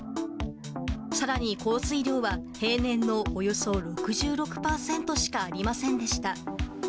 さらに降水量は、平年のおよそ６６％しかありませんでした。